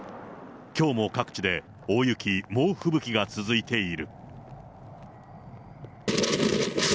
きょうも各地で大雪、猛吹雪が続いている。